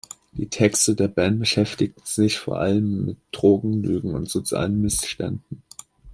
Die Texte der Band beschäftigten sich vor allem mit Drogen, Lügen und sozialen Missständen.